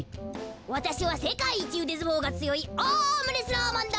わたしはせかいいちうでずもうがつよいアームレスラーマンだ。